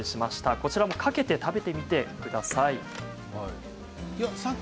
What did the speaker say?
こちらもかけて食べてみてください。